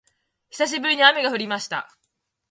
久しぶりに雨が降りました